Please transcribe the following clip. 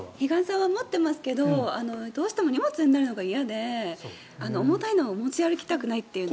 日傘は持ってますけどどうしても荷物になるのが嫌で重たいのを持ち歩きたくないという。